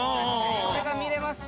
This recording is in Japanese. それが見れますし